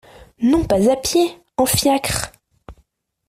Non pas à pied, en fiacre !